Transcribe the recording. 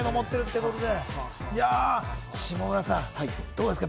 下村さん、どうですか？